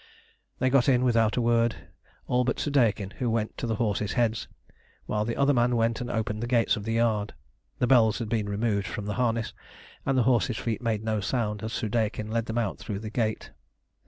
They got in without a word, all but Soudeikin, who went to the horses' heads, while the other man went and opened the gates of the yard. The bells had been removed from the harness, and the horses' feet made no sound as Soudeikin led them out through the gate.